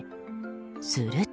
すると。